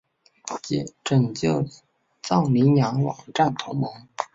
拯救藏羚羊网站同盟